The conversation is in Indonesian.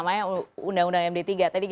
siapa yang punya kesenangan yang paling menarik